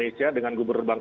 terima kasih pak